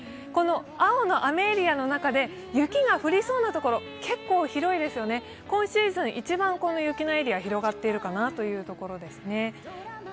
青の雨エリアの中で雪が降りそうなところ、結構広いですよね、今シーズン一番この雪のエリアは広がっているかなというところです。